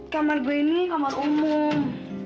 kamar gue ini kamar umum